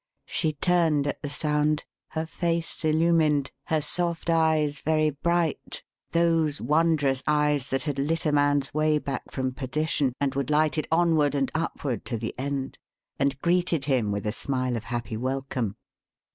She turned at the sound, her face illumined, her soft eyes very bright those wondrous eyes that had lit a man's way back from perdition and would light it onward and upward to the end and greeted him with a smile of happy welcome.